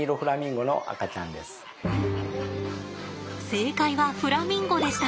正解はフラミンゴでした！